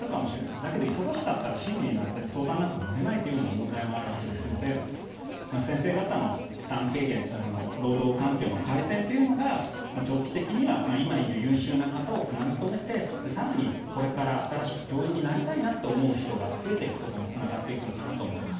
だけど忙しかったら親身になって相談に乗れないという問題もあるわけで先生方の負担軽減労働環境の改善というのが長期的には今いる優秀な方をつなぎ留めて更に、これから新しく教員になりたいなという人が増えていくことにつながっていくのかなと思います。